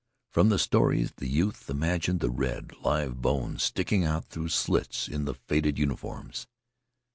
From the stories, the youth imagined the red, live bones sticking out through slits in the faded uniforms.